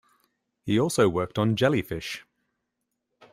He also worked on jellyfish.